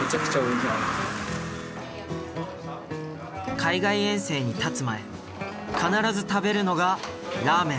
海外遠征にたつ前必ず食べるのがラーメン。